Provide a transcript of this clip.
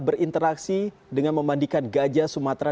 berinteraksi dengan memandikan gajah sumatera